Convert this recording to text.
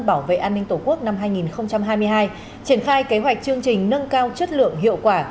bảo vệ an ninh tổ quốc năm hai nghìn hai mươi hai triển khai kế hoạch chương trình nâng cao chất lượng hiệu quả